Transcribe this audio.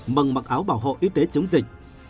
mừng mặc áo bảo hộ y tế chống dịch